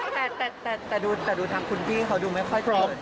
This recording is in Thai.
แต่ดูทางคุณพี่เขาดูไม่ค่อยเกิดเท่าไหร่